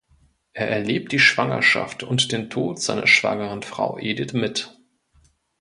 Er erlebt die Schwangerschaft und den Tod seiner schwangeren Frau Edith mit.